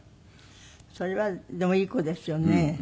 それはでもいい子ですよね。